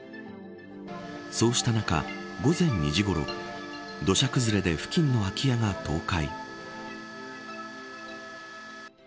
そうした中、午前２時ごろ土砂崩れで付近の空き家が倒壊。